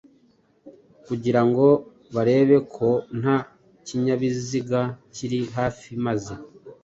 kugira ngo barebe ko nta kinyabiziga kiri hafi maze